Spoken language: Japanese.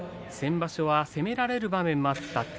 先場所は攻められる場面もあった